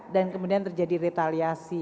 dan kemudian terjadi retaliasi